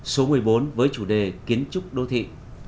số một mươi bốn với chủ đề kiến trúc đô thị